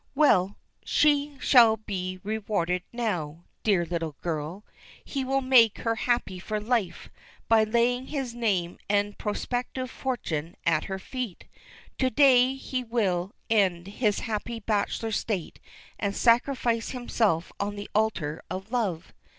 Well, she shall be rewarded now, dear little girl! He will make her happy for life by laying his name and prospective fortune at her feet. To day he will end his happy bachelor state and sacrifice himself on the altar of love.